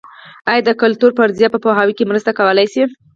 ایا د کلتور فرضیه په پوهاوي کې مرسته کولای شي؟